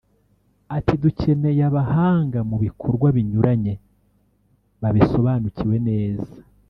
Ati “Dukeneye abahanga mu bikorwa binyuranye babisobanukiwe neza